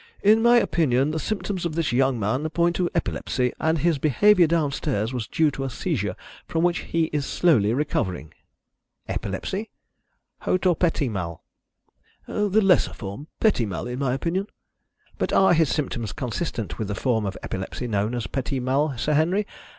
"In my opinion, the symptoms of this young man point to epilepsy, and his behaviour downstairs was due to a seizure from which he is slowly recovering." "Epilepsy! Haut or petit mal?" "The lesser form petit mal, in my opinion." "But are his symptoms consistent with the form of epilepsy known as petit mal, Sir Henry?